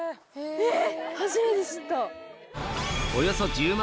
えっ！